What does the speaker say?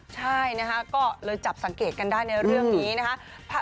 ใช่นะคะก็เลยจับสังเกตกันได้ในเรื่องนี้นะคะ